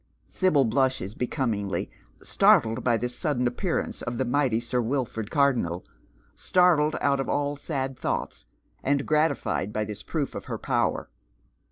Sibyl blushes becomingly, startled by this sudden appearance of the mighty Sir Wilford Cardonnel — startled out of all sad thoughts, and gratified by this proof of her power.